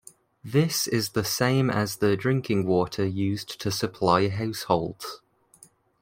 This is the same as the drinking water used to supply households.